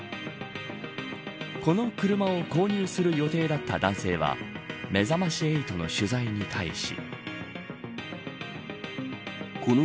この車を購入する予定だった男性はめざまし８の取材に対し。